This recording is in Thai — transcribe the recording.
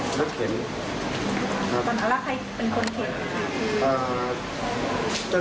เค้าก็เขียนคำถามมาที่รถ